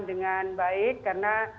dengan baik karena